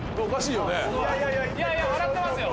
「いやいや笑ってますよ」